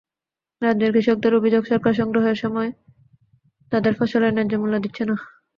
রাজ্যের কৃষকদের অভিযোগ, সরকার সংগ্রহের সময় তাঁদের ফসলের ন্যায্যমূল্য দিচ্ছে না।